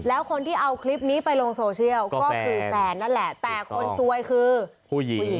แล้วคนที่เอาคลิปนี้ไปลงโซเชียลก็คือแฟนนั่นแหละแต่คนซวยคือผู้หญิงผู้หญิง